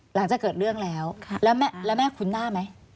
หลังจากเกิดเรื่องแล้วแล้วแม่คุ้นหน้าไหม